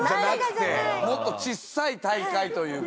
もっとちっさい大会というか。